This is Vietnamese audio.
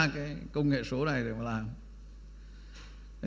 cái công nghệ số này để mà làm